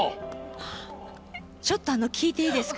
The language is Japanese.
ちょっと聞いていいですか。